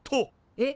えっ。